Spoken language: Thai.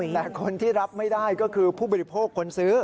แต่คนที่รับไม่ได้ก็คือผู้บริโภคคนซื้อ